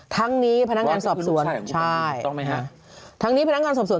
ทั้งนี้พนักงานสอบส่วน